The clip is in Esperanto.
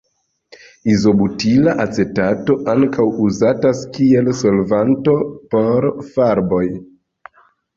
Izobutila acetato ankaŭ uzatas kiel solvanto por farboj.